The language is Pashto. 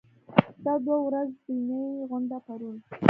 دا دوه ورځنۍ غونډه پرون